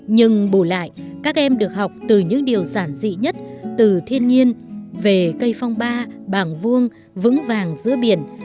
nhưng bù lại các em được học từ những điều giản dị nhất từ thiên nhiên về cây phong ba bảng vuông vững vàng giữa biển